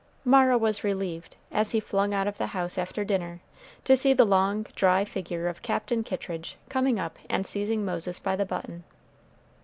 Mara was relieved, as he flung out of the house after dinner, to see the long, dry figure of Captain Kittridge coming up and seizing Moses by the button.